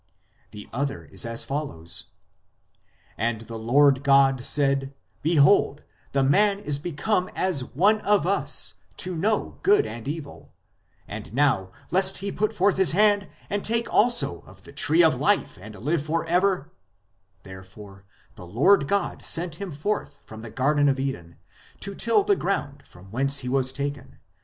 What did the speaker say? The other is as follows :" And the Lord God said, Behold, the man is become as one of Us, to know good and evil ; and now, lest he put forth his hand, and take also of the Tree of Life, and live for ever ; therefore the Lord God sent him forth from the Garden of Eden, to till the ground from whence he was taken.